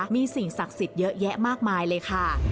มีสิ่งศักดิ์สิทธิ์เยอะแยะมากมายเลยค่ะ